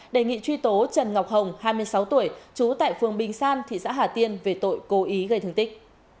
đề nghị truy tố trần ngọc hồng hai mươi sáu tuổi trú tại phường bình san thị xã hà tiên về tội cố ý gây thương tích